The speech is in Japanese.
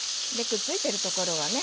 くっついてるところはね